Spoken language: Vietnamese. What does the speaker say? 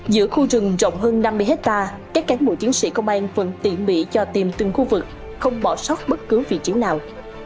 giữa khu rừng rộng hơn năm mươi hectare các cán bộ chiến sĩ công an vẫn tiện bị cho tìm từng khu vực không bỏ sót bất cứ vị trí nào